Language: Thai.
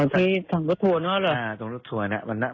อ๋อที่ทางรถถัวนั้นหรือ